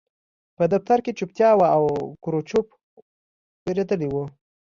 په دفتر کې چوپتیا وه او کروچکوف وېرېدلی و